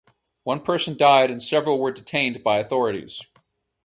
One person died and several were detained by authorities.